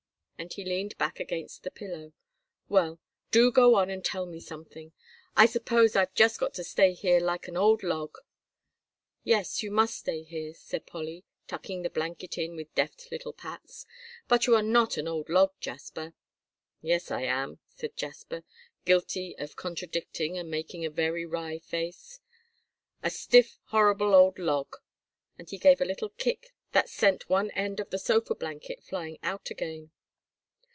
and he leaned back against the pillow. "Well, do go on and tell me something. I suppose I've just got to stay here like an old log." "Yes, you must stay here," said Polly, tucking the blanket in with deft little pats; "but you are not an old log, Jasper." "Yes, I am," said Jasper, guilty of contradicting, and making a very wry face, "a stiff horrible old log," and he gave a little kick that sent one end of the sofa blanket flying out again.